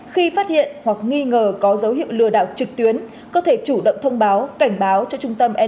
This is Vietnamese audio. khi phát hiện hoặc nghi ngờ có dấu hiệu lừa đảo trực tuyến có thể chủ động thông báo cảnh báo cho trung tâm